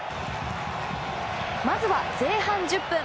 まずは前半１０分。